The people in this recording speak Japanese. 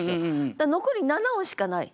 だから残り７音しかない。